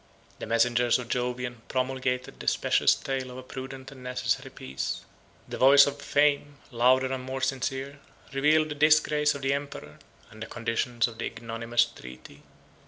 121 The messengers of Jovian promulgated the specious tale of a prudent and necessary peace; the voice of fame, louder and more sincere, revealed the disgrace of the emperor, and the conditions of the ignominious treaty.